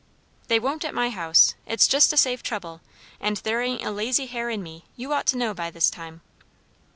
"They won't at my house. It's just to save trouble; and there ain't a lazy hair in me, you ought to know by this time."